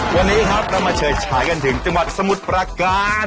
วันนี้ครับเรามาเฉยฉายกันถึงจังหวัดสมุทรประการ